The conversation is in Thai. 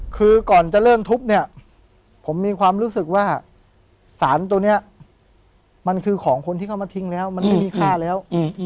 คือก่อนจะเริ่มทุบเนี่ยผมมีความรู้สึกว่าสารตัวนี้มันคือของคนที่เข้ามาทิ้งแล้วมันไม่มีค่าแล้ว